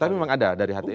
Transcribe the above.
tapi memang ada dari hti